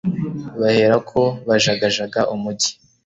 bahera ko bajagajaga umugi